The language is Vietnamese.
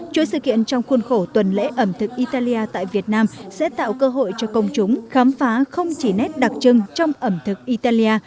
chuỗi sự kiện trong khuôn khổ tuần lễ ẩm thực italia tại việt nam sẽ tạo cơ hội cho công chúng khám phá không chỉ nét đặc trưng trong ẩm thực italia